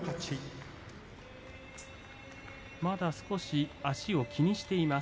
まだ少し足を気にしています